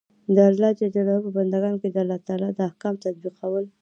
د الله ج په بندګانو د الله تعالی د احکام تطبیقول.